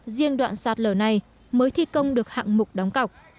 riêng đoạn sạt lở này mới thi công được hạng mục đóng cọc